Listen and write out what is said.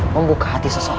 membuka hati seseorang